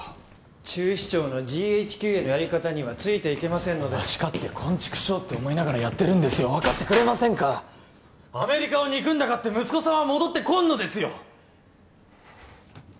厨司長のＧＨＱへのやり方にはついていけませんのでわしかってコンチクショーと思いながらやってます分かってくれませんかアメリカを憎んだかって息子さんは戻ってこんのですよ